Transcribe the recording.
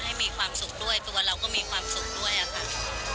ให้มีความสุขด้วยตัวเราก็มีความสุขด้วยอะค่ะ